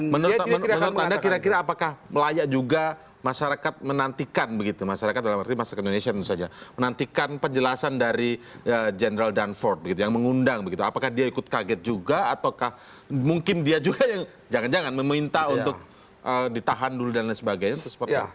menurut anda kira kira apakah layak juga masyarakat menantikan masyarakat dalam arti masyarakat indonesia menantikan penjelasan dari general danforth yang mengundang apakah dia ikut kaget juga atau mungkin dia juga yang jangan jangan meminta untuk ditahan dulu dan lain sebagainya